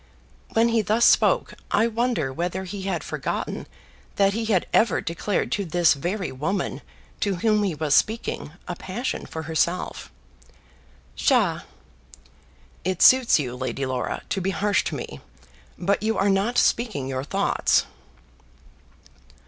When he thus spoke, I wonder whether he had forgotten that he had ever declared to this very woman to whom he was speaking, a passion for herself. "Psha!" "It suits you, Lady Laura, to be harsh to me, but you are not speaking your thoughts."